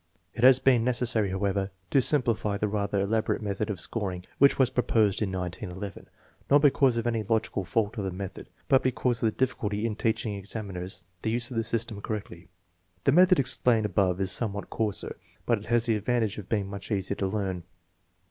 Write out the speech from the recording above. It has been necessary, however, to simplify the rather elaborate method of scoring which was proposed in 1911, not because of any logical fault of the method, but because of the difficulty in teaching examiners to use the system correctly. The method explained above is somewhat coarser, but it has the advantage of being much easier to learn.